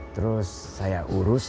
terus saya urus